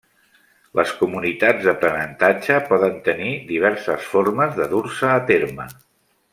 Les comunitats d'aprenentatge poden tenir diverses formes de dur-se a terme.